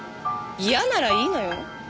嫌ならいいのよ？